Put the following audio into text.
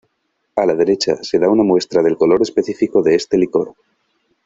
A la derecha se da una muestra del color específico de este licor.